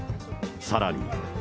さらに。